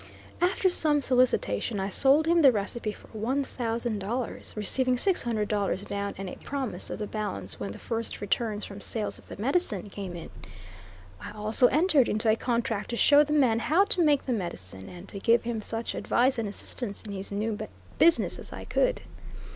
After some solicitation I sold him the recipe for one thousand dollars, receiving six hundred dollars down, and a promise of the balance when the first returns from sales of the medicine came in. I also entered into a contract to show the man how to make the medicine, and to give him such advice and assistance in his new business as I could.